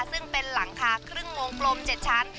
ซึ่งเป็นหลังคาครึ่งวงกลม๗ชั้น